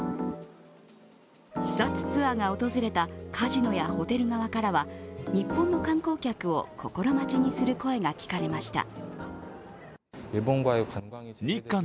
視察ツアーが訪れたカジノやホテル側からは日本の観光客を心待ちにする声が聞かれました。